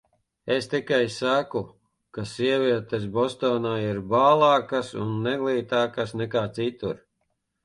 Es tikai saku, ka sievietes Bostonā ir bālākas un neglītākas nekā citur.